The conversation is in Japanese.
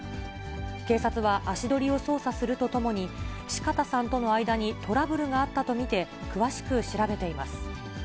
警察は足取りを捜査するとともに、四方さんとの間にトラブルがあったと見て詳しく調べています。